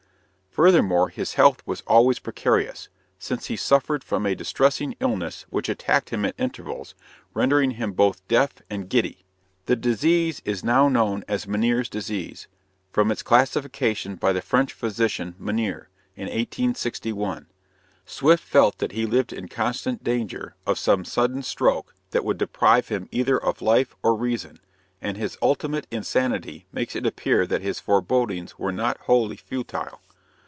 Furthermore, his health was always precarious, since he suffered from a distressing illness which attacked him at intervals, rendering him both deaf and giddy. The disease is now known as Meniere's disease, from its classification by the French physician, Meniere, in 1861. Swift felt that he lived in constant danger of some sudden stroke that would deprive him either of life or reason; and his ultimate insanity makes it appear that his forebodings were not wholly futile.